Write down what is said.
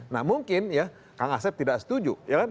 nah mungkin ya kang asep tidak setuju